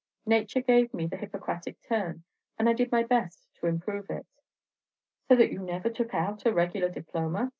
Nature gave me the Hippocratic turn, and I did my best to improve it." "So that you never took out a regular diploma?"